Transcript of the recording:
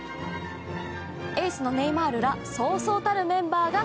エースのネイマールらそうそうたるメンバーが